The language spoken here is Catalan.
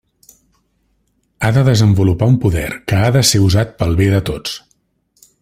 Ha de desenvolupar un poder que ha de ser usat pel bé de tots.